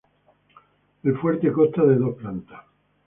El fuerte consta de dos plantas.